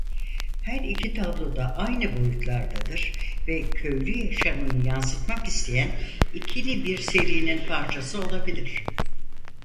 Her iki tablo da aynı boyutlardadır ve köylü yaşamını yansıtmak isteyen ikili bir serinin parçası olabilir.